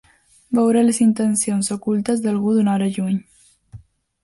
Veure les intencions ocultes d'algú d'una hora lluny.